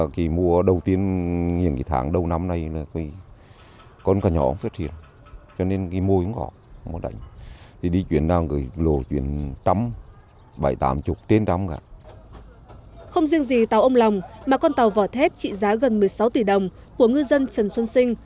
không riêng gì tàu ông lòng mà con tàu vỏ thép trị giá gần một mươi sáu tỷ đồng của ngư dân trần xuân sinh